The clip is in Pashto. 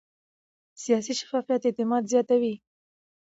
سیاسي شفافیت اعتماد زیاتوي